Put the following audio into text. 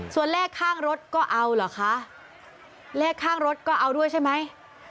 ส่วนเลขข้างรถก็เอาเหรอคะเลขข้างรถก็เอาด้วยใช่ไหม